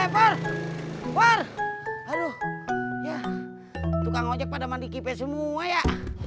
lebar aduh ya tukang ojek pada mandi kipe semua ya